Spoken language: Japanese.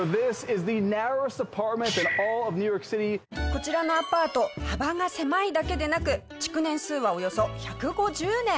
こちらのアパート幅が狭いだけでなく築年数はおよそ１５０年。